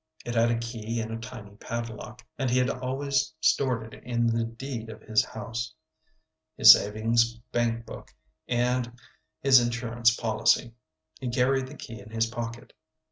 It had a key and a tiny padlock, and he had always stored in it the deed of his house, his savings bank book, and his insurance policy. He carried the key in his pocket.